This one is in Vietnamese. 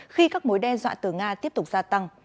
khi các mối đe dọa từ nga tiếp tục gia tăng